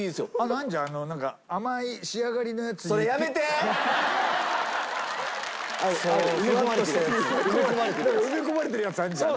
なんか埋め込まれてるやつあるじゃん。